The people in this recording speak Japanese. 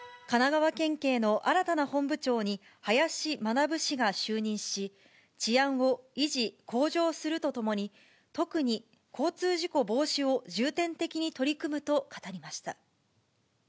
神奈川県警の新たな本部長に、林学氏が就任し、治安を維持・向上するとともに、特に交通事故防止を重点的に取り組むと語りました。